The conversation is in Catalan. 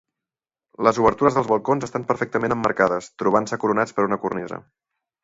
Les obertures dels balcons estan perfectament emmarcades, trobant-se coronats per una cornisa.